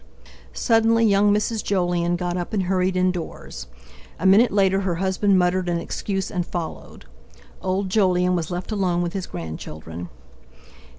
Suddenly young Mrs. Jolyon got up and hurried indoors. A minute later her husband muttered an excuse, and followed. Old Jolyon was left alone with his grandchildren.